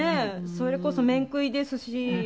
それこそ面食いですし。